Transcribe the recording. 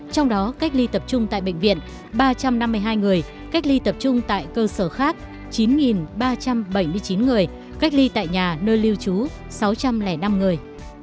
trong đó cách ly tập trung tại bệnh viện ba trăm năm mươi hai người cách ly tập trung tại cơ sở khác chín ba trăm bảy mươi chín người cách ly tại nhà nơi lưu trú sáu trăm linh năm người